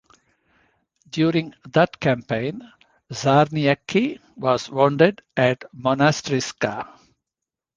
During that campaign Czarniecki was wounded at Monastyryska.